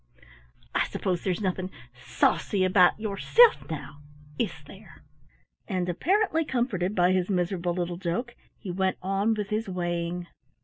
I suppose there's nothing sauce y about yourself now, is there?" And apparently comforted by his miserable little joke he went on with his weighing.